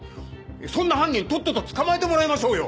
そんな犯人とっとと捕まえてもらいましょうよ！